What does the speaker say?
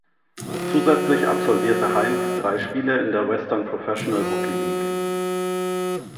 Zusätzlich absolvierte Heinz drei Spiele in der Western Professional Hockey League.